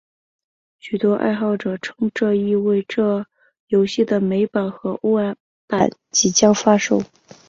许多爱好者称这意味这游戏的美版和欧版即将发售。